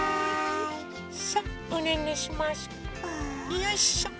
よいしょ。